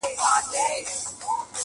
لږ صبر سه توپانه لا څپې دي چي راځي.!